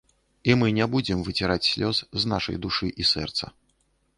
І мы не будзем выціраць слёз з нашай душы і сэрца.